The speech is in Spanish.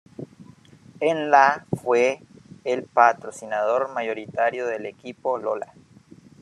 En la fue el patrocinador mayoritario del equipo Lola.